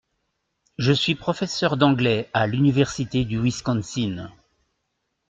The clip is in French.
Je suis professeur d’anglais à l’université du Wisconsin.